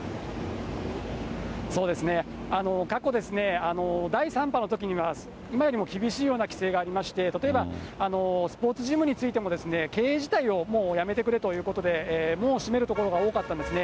そうですね、過去ですね、第３波のときには、今よりも厳しいような規制がありまして、例えばスポーツジムについても、経営自体をもうやめてくれということで、門を閉めるところが多かったんですね。